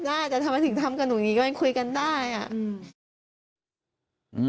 เท่าไหร่ถึงทำกับหนูนี้มันคุยกันได้อ่ะอือ